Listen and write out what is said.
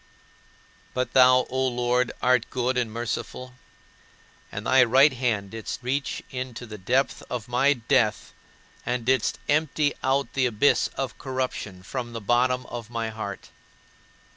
But thou, O Lord, art good and merciful, and thy right hand didst reach into the depth of my death and didst empty out the abyss of corruption from the bottom of my heart.